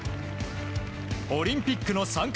オリンピックの参加